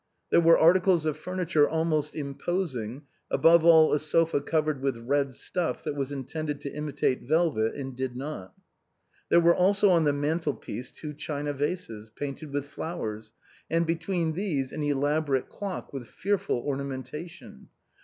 There were articles of furniture almost im posing, above all a sofa covered with red stuff, that was intended to imitate velvet, and did not. There were also on the mantle piece two china vases, painted with flowers, and between these an elaborate clock, with fearful ornamentation.